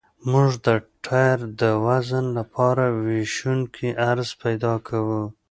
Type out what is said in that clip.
موږ د ټایر د وزن لپاره ویشونکی عرض پیدا کوو